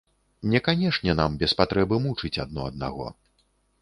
Не канешне нам без патрэбы мучыць адно аднаго.